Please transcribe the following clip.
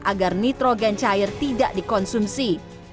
agar nitrogen cair tidak dikonsumsi